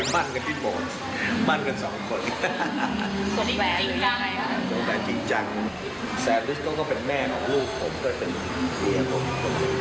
มันกันทิ้งโ้ลมั่นกันสองคนกลยแลจิ่งชั่งแซนวิทย์ก็เป็นแม่ของลูกผมก็เป็นที่